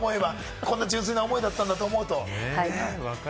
こんな純粋な思いだったと思うと。